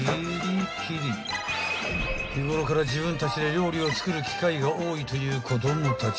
［日頃から自分たちで料理を作る機会が多いという子供たち］